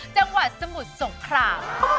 จังหวัดสมุทรสงคราม